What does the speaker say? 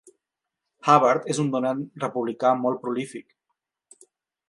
Hubbard és un donant republicà molt prolífic.